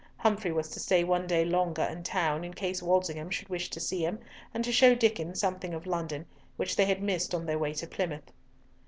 Humfrey was to stay one day longer in town in case Walsingham should wish to see him, and to show Diccon something of London, which they had missed on their way to Plymouth.